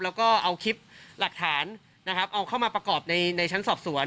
แล้วก็เอาคลิปหลักฐานนะครับเอาเข้ามาประกอบในชั้นสอบสวน